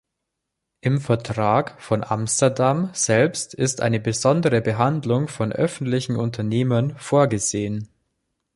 Im Vertrag von Amsterdam selbst ist eine besondere Behandlung von öffentlichen Unternehmen vorgesehen.